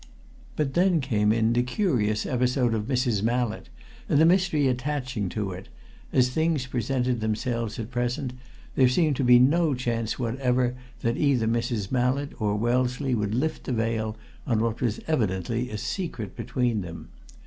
But then came in the curious episode of Mrs. Mallett, and the mystery attaching to it as things presented themselves at present there seemed to be no chance whatever that either Mrs. Mallett or Wellesley would lift the veil on what was evidently a secret between them.